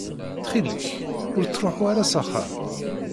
Ttxil-k, ur ttṛuḥu ara s axxam.